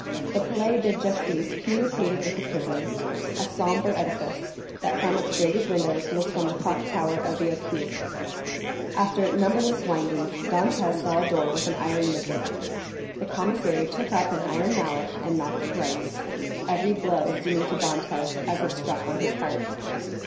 The Palais de Justice communicated with the prison,—a sombre edifice, that from its grated windows looks on the clock tower of the Accoules. After numberless windings, Dantès saw a door with an iron wicket. The commissary took up an iron mallet and knocked thrice, every blow seeming to Dantès as if struck on his heart.